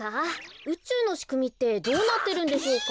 うちゅうのしくみってどうなってるんでしょうか？